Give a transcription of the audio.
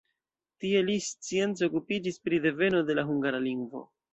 Tie li science okupiĝis pri deveno de la hungara lingvo.